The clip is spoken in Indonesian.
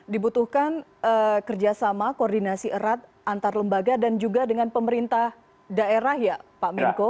dibutuhkan kerjasama koordinasi erat antar lembaga dan juga dengan pemerintah daerah ya pak minko